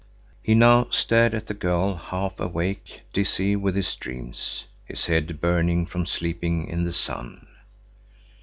He now stared at the girl half awake, dizzy with his dream, his head burning from sleeping in the sun.